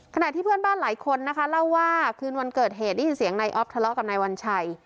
ขณะที่เพื่อนบ้านหลายคนนะคะเล่าว่าคืนวันเกิดเหตุได้ยินเสียงนายอ๊อฟทะเลาะกับนายวัญชัย